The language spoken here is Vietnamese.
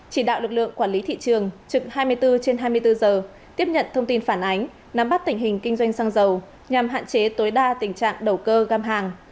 chỉ đạo lực lượng quản lý thị trường trực hai mươi bốn trên hai mươi bốn giờ tiếp nhận thông tin phản ánh nắm bắt tình hình kinh doanh xăng dầu nhằm hạn chế tối đa tình trạng đầu cơ găm hàng